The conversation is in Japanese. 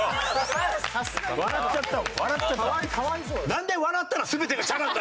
なんで笑ったら全てがチャラになるんだ！